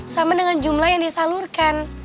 sama dengan jumlah yang disalurkan